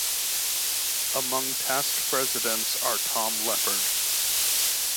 Among past presidents are Tom Leppard.